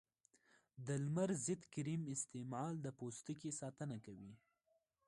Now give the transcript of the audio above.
د لمر ضد کریم استعمال د پوستکي ساتنه کوي.